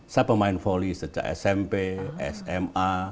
saya pemain voli sejak smp sma